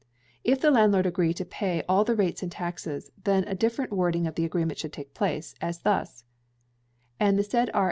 If the landlord agree to pay all the rates and taxes, then a different wording of the agreement should take place, as thus: And the said R.